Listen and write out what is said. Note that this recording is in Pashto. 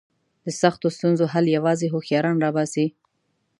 د سختو ستونزو حل یوازې هوښیاران را باسي.